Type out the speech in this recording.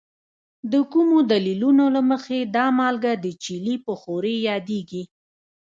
د کومو دلیلونو له مخې دا مالګه د چیلي په ښورې یادیږي؟